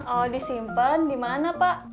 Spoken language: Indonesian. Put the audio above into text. oh disimpen dimana pak